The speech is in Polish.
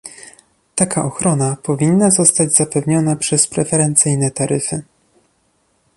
Taka ochrona powinna zostać zapewniona przez preferencyjne taryfy